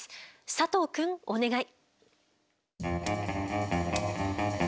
佐藤くんお願い。